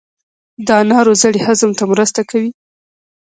د انارو زړې هضم ته مرسته کوي.